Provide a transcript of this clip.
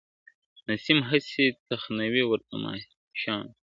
نسیم هسي تخنوي ورته مشام